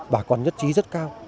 bà con nhất trí rất cao